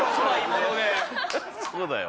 そうだよ。